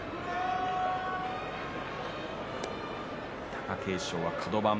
貴景勝はカド番。